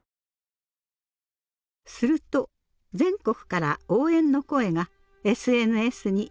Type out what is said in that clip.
すると全国から応援の声がＳＮＳに寄せられました。